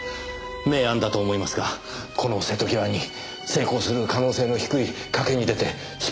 名案だと思いますがこの瀬戸際に成功する可能性の低い賭けに出て失敗するわけにはいきません。